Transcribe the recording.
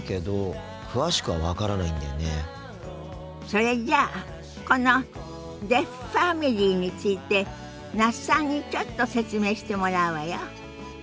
それじゃあこのデフファミリーについて那須さんにちょっと説明してもらうわよ。